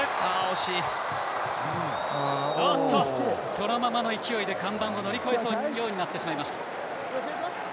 そのままの勢いで看板を乗り越えそうになってしまいました。